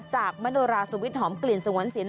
จากมโนราสวิทย์หอมกลิ่นสวรรค์สินทร์